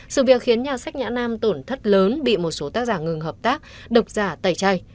sự việc khiến nhà sách nhã nam tổn thất lớn bị một số tác giả ngừng hợp tác độc giả tẩy chay